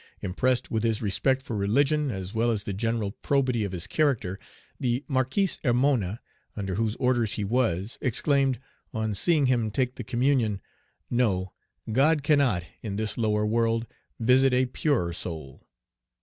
Impressed with his respect for religion, as well as the general probity of his character, the Marquis Hermona, under whose orders he was, exclaimed, on seeing him take the communion, "No, God cannot, in this lower world, visit a purer soul."